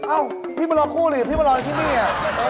เอ้าพี่มารอคู่หลีพี่มารอที่นี่อ่ะ